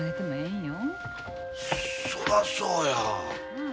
そらそうや。